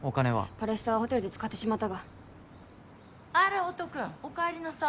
パレスタワーホテルで使ってしまったがあら音くんお帰りなさい